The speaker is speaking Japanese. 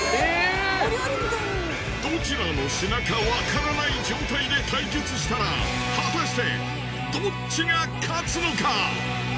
・・お料理みたいに・どちらの品かわからない状態で対決したら果たしてどっちが勝つのか！？